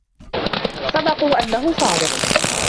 صدقوا أنه صادق.